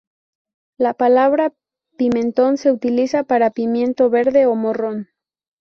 La palabra pimentón se utiliza para pimiento verde o morrón.